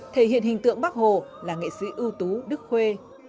thể hiện hình tượng bắc hồ là nghệ sĩ ưu tú đức khuê